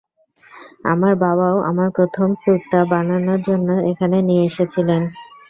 আমার বাবাও আমার প্রথম স্যুটটা বানানোর জন্য এখানে নিয়ে এসেছিলেন।